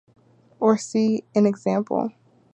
Or see an example.